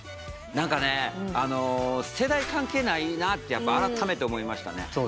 何かね世代関係ないなってやっぱ改めて思いましたね。